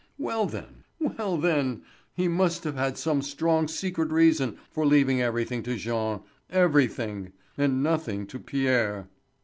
Well then—well then—he must have had some strong secret reason for leaving everything to Jean—everything—and nothing to Pierre.